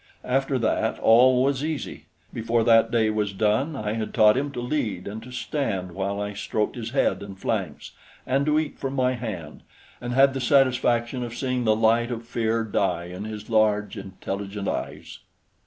After that, all was easy. Before that day was done, I had taught him to lead and to stand while I stroked his head and flanks, and to eat from my hand, and had the satisfaction of seeing the light of fear die in his large, intelligent eyes.